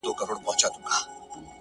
د مخ پر لمر باندي رومال د زلفو مه راوله;